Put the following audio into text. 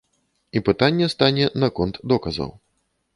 І пытанне стане наконт доказаў.